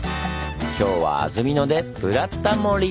今日は安曇野で「ブラタモリ」！